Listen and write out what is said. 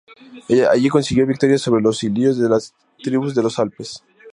Allí consiguió victorias sobre los ilirios y las tribus de los Alpes.